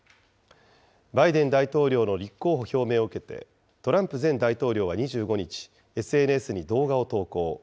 バイデン大統領の立候補表明を受けて、トランプ前大統領は２５日、ＳＮＳに動画を投稿。